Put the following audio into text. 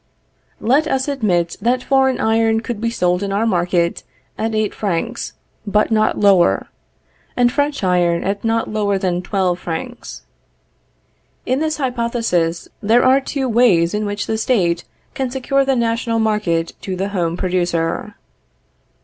Let us admit that foreign iron could be sold in our market at eight francs, but not lower; and French iron at not lower than twelve francs. In this hypothesis there are two ways in which the State can secure the national market to the home producer.